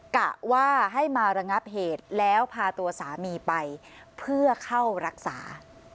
กะว่าให้มาระงับเหตุแล้วพาตัวสามีไปเพื่อเข้ารักษา